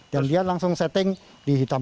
dan dia langsung setting di hidung